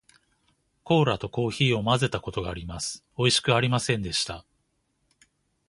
コーラとコーヒーを混まぜたことがあります。おいしくありませんでした。